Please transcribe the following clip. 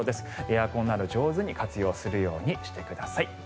エアコンなど上手に活用してください。